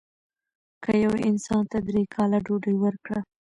که یو انسان ته درې کاله ډوډۍ ورکړه.